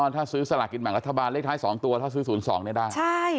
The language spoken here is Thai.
ถ้าซื้อสลากินแบ่งรัฐบาลเลขท้าย๒ตัวถ้าซื้อ๐๒ได้